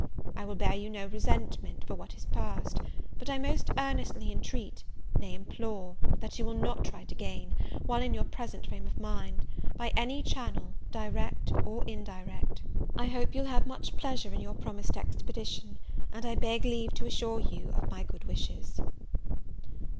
I will bear you no resentment for what is past; but I most earnestly intreat, nay implore, that you will not write again, while in your present frame of mind, by any channel, direct or indirect. "I hope you will have much pleasure in your promised expedition; and I beg leave to assure you of my good wishes."